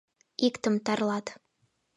Иктым тарлат.